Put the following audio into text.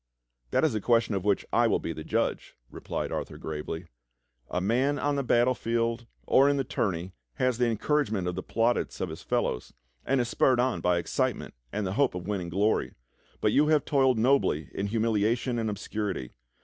"That is a question of which I will be the judge," replied Arthur gravely. "A man on the battlefield or in the tourney has the encour agement of the plaudits of his fellows, and is spurred on by excitement and the hope of winning glory, but you have toiled nobly in humilia tion and obscurity.